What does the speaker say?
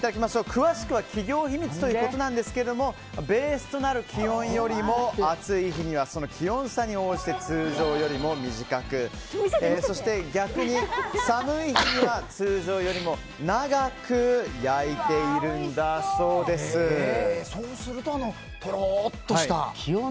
詳しくは企業秘密ということですがベースとなる気温よりも暑い日にはその気温差に応じて通常よりも短く逆に寒い日には通常よりもそうすると、あのとろっとした。